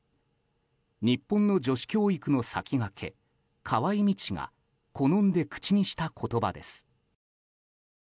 日本の女子教育の先駆け河井道が好んで口にした言葉です。